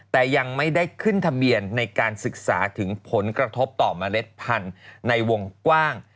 แต่ยังไม่ได้ขึ้นทะเบียนในการศึกษาถึงผลกระทบต่อเมล็ดพันธุ์ในวงกว้าง